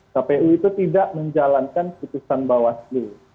kpu itu tidak menjalankan putusan bawaslu